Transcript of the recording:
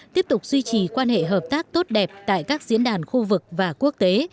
tiếp tục duy trì quan hệ hợp tác tốt đẹp tại các diễn đàn khu vực và quốc tế